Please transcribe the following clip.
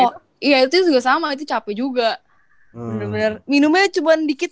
oh iya itu juga sama itu capek terus gitu kalo pro handles kalau sama yang itu yang sama si coach melvin yang filipina itu